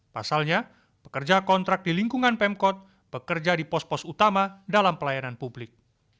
pasalnya pekerja kontrak di lingkungan pemkot bekerja di pos pos utama dalam pelayanan publik